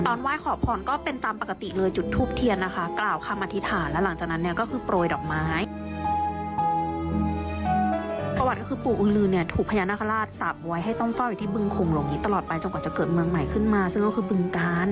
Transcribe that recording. ตลอดไปจนกว่าจะเกิดเมืองใหม่ขึ้นมาซึ่งก็คือบึงกาล